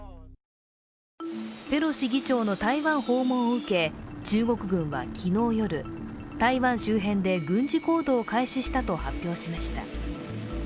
ペロシ議長の台湾訪問を受け、中国軍は昨日夜、台湾周辺で軍事行動を開始したと発表しました。